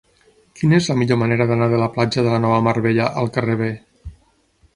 Quina és la millor manera d'anar de la platja de la Nova Mar Bella al carrer B?